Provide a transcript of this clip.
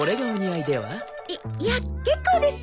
いいや結構です。